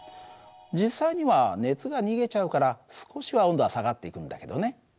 実際には熱が逃げちゃうから少しは温度は下がっていくんだけどね。